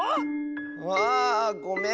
ああごめん！